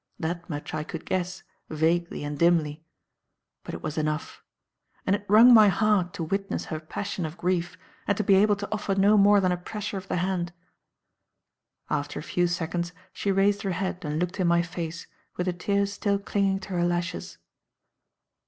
That much I could guess, vaguely and dimly. But it was enough. And it wrung my heart to witness her passion of grief and to be able to offer no more than a pressure of the hand. After a few seconds she raised her head and looked in my face, with the tears still clinging to her lashes.